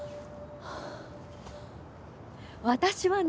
私はね